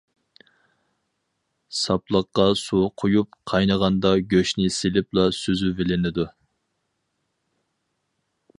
ساپلىققا سۇ قۇيۇپ قاينىغاندا گۆشنى سېلىپلا سۈزۈۋېلىنىدۇ.